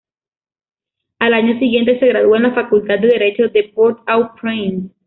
Al año siguiente, se graduó en la Facultad de Derecho de Port-au-Prince.